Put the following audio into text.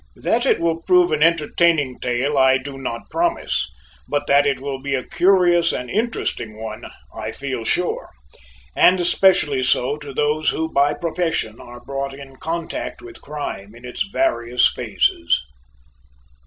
That it will prove an entertaining tale I do not promise, but that it will be a curious and interesting one I feel sure, and especially so to those who by profession are brought in contact with crime in its various phases.